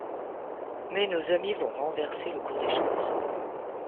Mais nos amis vont renverser le cours des choses.